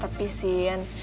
tapi sih yan